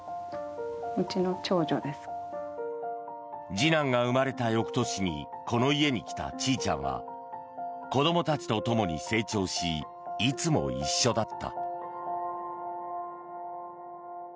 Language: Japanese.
次男が生まれた翌年にこの家に来たちいちゃんは子どもたちとともに成長しいつも一緒だった。